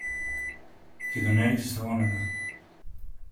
και τον έριξε στα γόνατα.